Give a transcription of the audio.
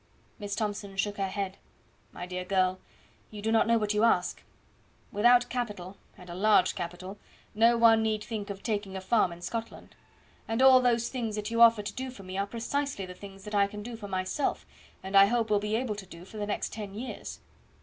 Miss Thomson shook her head. "My dear girl, you do not know what you ask. Without capital, and a large capital, no one need think of taking a farm in Scotland; and all those things that you offer to do for me are precisely the things that I can do for myself, and I hope will be able to do for the next ten years.